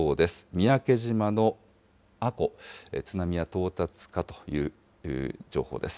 三宅島の阿古、津波は到達かという情報です。